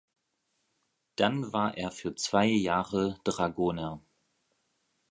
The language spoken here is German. Dann war er für zwei Jahre Dragoner.